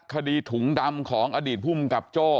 คดีถุงดำของอดีตภูมิกับโจ้